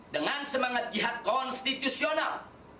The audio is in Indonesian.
dengan semangat jihad konstitusional